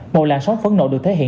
một làn sóng phấn nộ được thể hiện